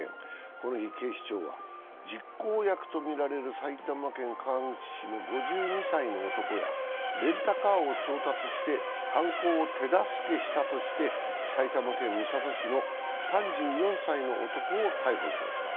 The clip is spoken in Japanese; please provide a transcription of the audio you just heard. この日、警視庁は実行役とみられる埼玉県川口市の５２歳の男やレンタカーを調達して犯行を手助けしたとして、埼玉県三郷市の３４歳の男を逮捕しました。